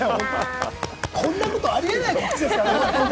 こんなこと、ありえないですからね。